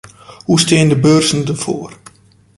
Hoe steane de beurzen derfoar?